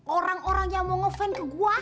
orang orang yang mau ngefan ke gue